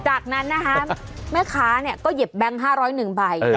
จากนั้นนะคะแม่ค้าก็หยิบแบงค์๕๐๑ใบ